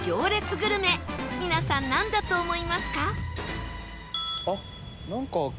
皆さんなんだと思いますか？